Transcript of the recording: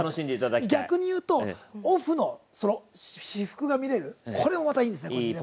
逆に言うと、オフの私服が見れるこれもまたいいんですね。